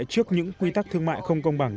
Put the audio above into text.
trước những quy tắc thương mại không công bằng